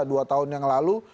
dua tahun yang lalu